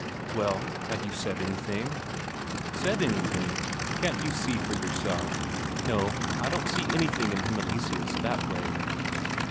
"Well, have you said anything?" "Said anything? Can't you see for yourself? No, I don't see anything in him Eleseus, that way."